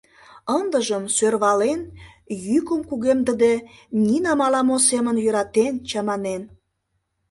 Ындыжым — сӧрвален, йӱкым кугемдыде, Нинам ала-мо семын йӧратен, чаманен.